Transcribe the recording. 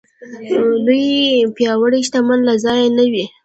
لوی پياوړ شتمنو له ځایه نه وي.